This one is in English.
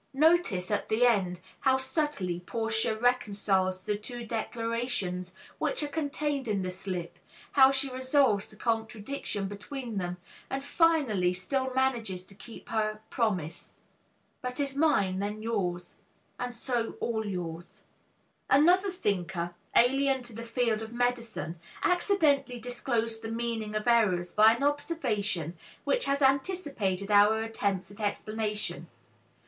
Notice, at the end, how subtly Portia reconciles the two declarations which are contained in the slip, how she resolves the contradiction between them and finally still manages to keep her promise: "but if mine, then yours, And so all yours." Another thinker, alien to the field of medicine, accidentally disclosed the meaning of errors by an observation which has anticipated our attempts at explanation.